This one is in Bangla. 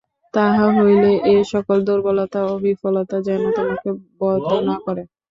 তাহা হইলেও এ-সকল দুর্বলতা ও বিফলতা যেন তোমাকে বদ্ধ না করে।